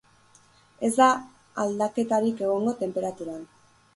Ez da aldaketarik egongo tenperaturan.